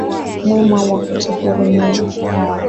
Mwema Wakutuhurumia